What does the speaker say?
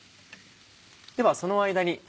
ではその間に。